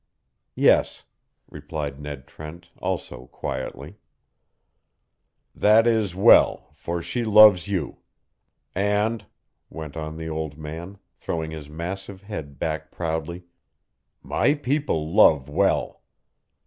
"Yes," replied Ned Trent, also quietly. "That is well, for she loves you. And," went on the old man, throwing his massive head back proudly, "my people love well!